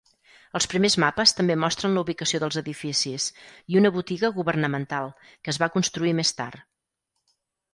Els primers mapes també mostren la ubicació dels edificis, i una botiga governamental, que es va construir més tard.